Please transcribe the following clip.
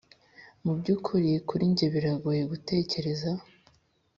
mubyukuri, kuri njye biragoye gutekereza,